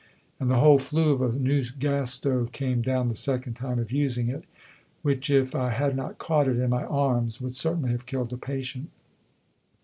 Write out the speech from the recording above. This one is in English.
And the whole flue of a new gas stove came down the second time of using it, which, if I had not caught it in my arms, would certainly have killed a patient."